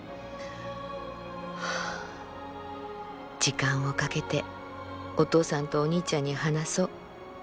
「時間をかけてお父さんとお兄ちゃんに話そう。